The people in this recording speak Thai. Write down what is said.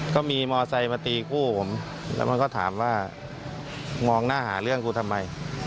ก็มีมอไซค์มาตีคู่ผมแล้วมันก็ถามว่ามองหน้าหาเรื่องกูทำไม